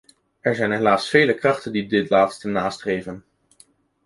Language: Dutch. Er zijn helaas vele krachten die dit laatste nastreven.